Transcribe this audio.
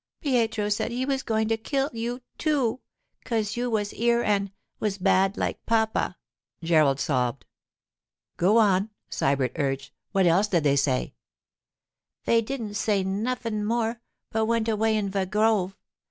'Pietro said he was going to kill you, too, 'cause you was here an' was bad like papa,' Gerald sobbed. 'Go on,' Sybert urged. 'What else did they say?' 'Vey didn't say nuffin more, but went away in ve grove.